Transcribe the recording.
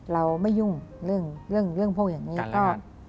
เราไม่ยุ่งเรื่องพวกอย่างนี้ก็